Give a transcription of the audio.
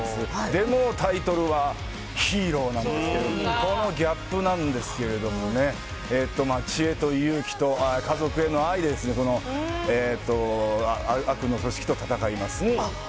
でも、タイトルはヒーローなんですけれども、このギャップなんですけれども、知恵と勇気と、家族への愛で、悪の組織と戦います。